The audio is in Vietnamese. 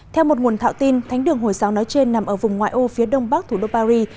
theo một nguồn thạo tin thánh đường hồi giáo nói trên nằm ở vùng ngoại ô phía đông bắc thủ đô paris